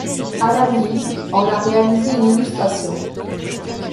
Alan Lee en a réalisé une illustration.